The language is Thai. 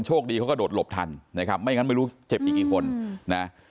คดีเขาก็โดดหลบทันนะครับไม่งั้นไม่รู้เจ็บอีกกี่คนนะ